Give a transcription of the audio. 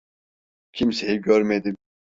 Kimseyi görmedim.